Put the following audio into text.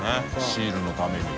シールのために。